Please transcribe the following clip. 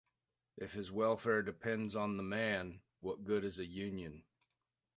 If his welfare depends on the man, what good is a Union?